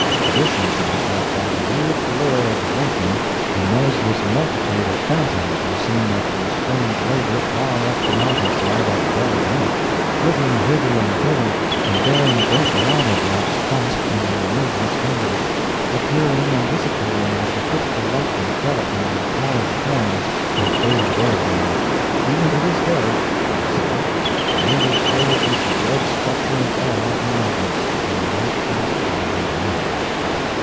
Tradition says that by the weird glare of the lightning a noiseless multitude of phantoms were seen at their strange labor far up the mountain side at dead of night—flitting hither and thither and bearing great lava blocks clasped in their nerveless fingers—appearing and disappearing as the fitful lightning fell upon their pallid forms and faded away again. Even to this day, it is said, the natives hold this dread structure in awe and reverence, and will not pass by it in the night.